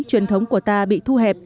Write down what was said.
truyền thống của ta bị thu hẹp